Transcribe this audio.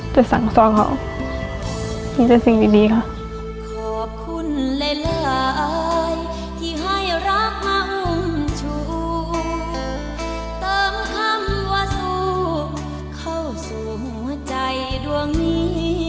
เติมคำว่าสูงเข้าสู่หัวใจดวงนี้